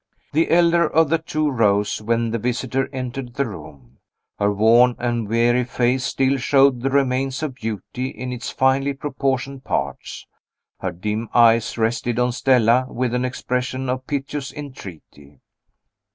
The elder of the two rose when the visitor entered the room. Her worn and weary face still showed the remains of beauty in its finely proportioned parts her dim eyes rested on Stella with an expression of piteous entreaty.